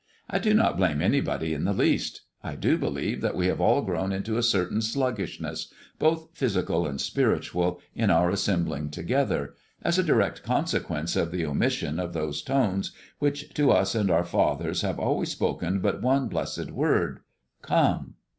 I do not blame anybody in the least. I do believe that we have all grown into a certain sluggishness, both physical and spiritual, in our assembling together, as a direct consequence of the omission of those tones which to us and our fathers have always spoken but one blessed word '_Come!